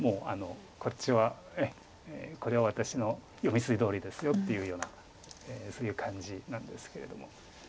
こっちはこれは私の読み筋どおりですよっていうようなそういう感じなんですけれども。